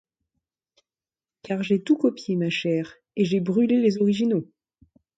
Car j’ai tout copié, ma chère, et j’ai brûlé les originaux!